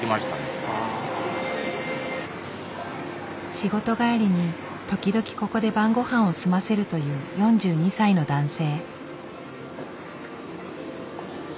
仕事帰りに時々ここで晩ごはんを済ませるという４２歳の男性。